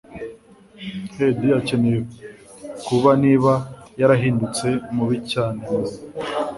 He.d akeneye kuba niba yarahindutse mubi cyane mama.